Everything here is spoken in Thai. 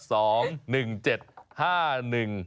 สองหนึ่งเจ็ดห้าหนึ่ง